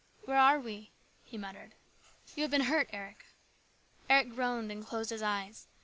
" Where are we ?" he muttered. " You have been hurt, Eric." Eric groaned and closed his eyes.